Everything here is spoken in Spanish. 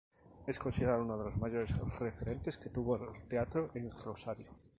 Es considerado uno de los mayores referentes que tuvo el teatro en Rosario.